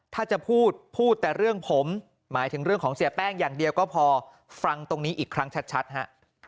ถ้าจะพูดพูดแต่เรื่องผมหมายถึงเรื่องของเสียแป้งอย่างเดียวก็พอฟังตรงนี้อีกครั้งชัดฮะ